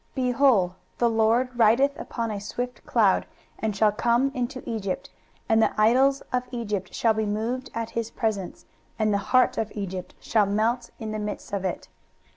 Behold, the LORD rideth upon a swift cloud, and shall come into Egypt: and the idols of Egypt shall be moved at his presence, and the heart of Egypt shall melt in the midst of it.